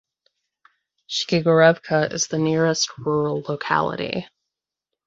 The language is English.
Shchigorevka is the nearest rural locality.